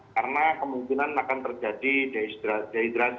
karena kemungkinan akan terjadi dehydrati